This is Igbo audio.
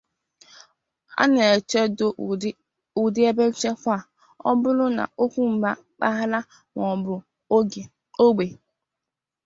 A na-echedo ụdị ebe nchekwa ọ bụla na ọkwa mba, mpaghara, ma ọ bụ ogbe.